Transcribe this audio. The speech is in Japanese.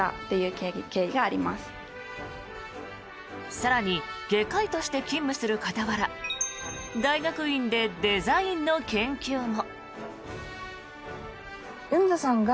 更に外科医として勤務する傍ら大学院でデザインの研究も。